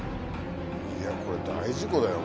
いやこれ大事故だよ